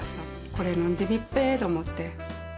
これ飲んでみっぺと思って。